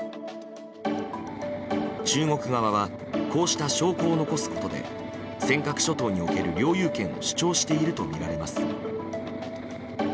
中国側はこうした証拠を残すことで尖閣諸島における領有権を主張しているとみられます。